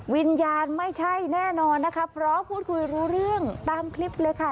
วิญญาณไม่ใช่แน่นอนนะคะเพราะพูดคุยรู้เรื่องตามคลิปเลยค่ะ